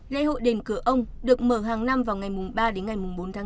lễ hội đền cửa ông được mở hàng năm vào ngày mùng ba đến ngày mùng bốn tháng